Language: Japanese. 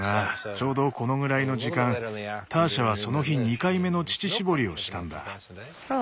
ちょうどこのぐらいの時間ターシャはその日２回目の乳搾りをしたんだ。